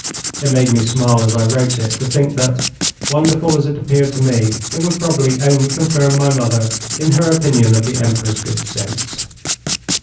It made me smile as I wrote it to think that, wonderful as it appeared to me, it would probably only confirm my mother in her opinion of the Emperor's good sense.